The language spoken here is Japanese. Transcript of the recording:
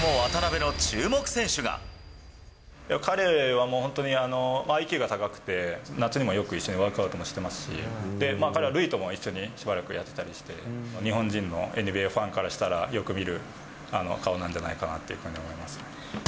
彼はもう本当に、ＩＱが高くて、夏にもよく一緒にワークアウトもしてますし、彼は塁とも一緒に、しばらくやってたりして、日本人のＮＢＡファンからしたら、よく見る顔なんじゃないかなって思います。